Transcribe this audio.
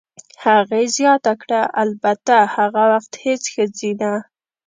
هغې زیاته کړه: "البته، هغه وخت هېڅ ښځینه.